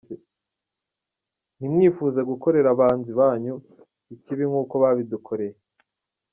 Nti mwifuze gukorera abanzi bacu ikibi nk’uko babidukoreye.